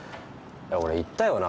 俺言ったよな。